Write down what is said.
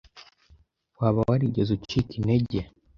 Waba warigeze ucika intege